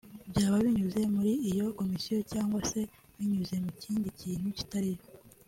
byaba binyuze muri iyo komisiyo cyangwa se binyuze mu kindi kintu kitari yo